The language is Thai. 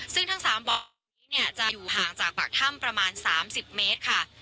ซึ่งทั้ง๓บ่อจะอยู่ห่างจากปากถ้ำประมาณ๓๐เมตรค่ะ